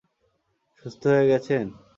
সুস্থ হয়ে গেছেন?